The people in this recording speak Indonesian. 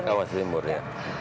kawan timur ya